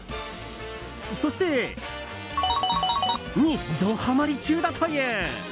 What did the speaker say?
そして、にドハマり中だという。